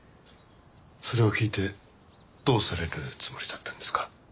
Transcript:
それを聞いてどうされるつもりだったんですか？